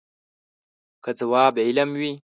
که ځواب علم وي.